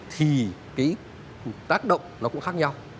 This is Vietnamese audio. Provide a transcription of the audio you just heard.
thì cái tác động nó cũng khác nhau